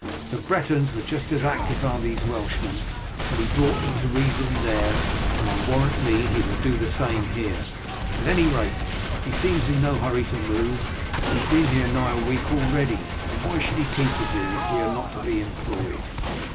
The Bretons were just as active as are these Welshmen, but he brought them to reason there, and I warrant me he will do the same here. At any rate, he seems in no hurry to move. We have been here nigh a week already, and why should he keep us here if we are not to be employed?"